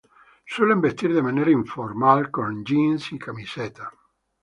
Suele vestir de manera informal, con jeans y camisetas.